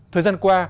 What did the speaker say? thời gian qua